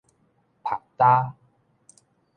曝焦